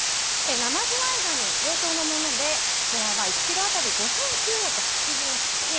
生ズワイガニ、冷凍のもので１ｋｇ当たり５９８８円。